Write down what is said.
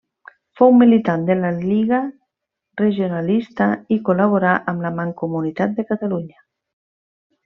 Fou militant de la Lliga Regionalista i col·laborà amb la Mancomunitat de Catalunya.